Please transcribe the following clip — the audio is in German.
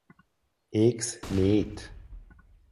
Ex Met.